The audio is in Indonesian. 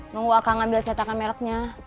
nunggu akan ngambil cetakan mereknya